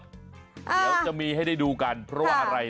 เดี๋ยวจะมีให้ได้ดูกันเพราะว่าอะไร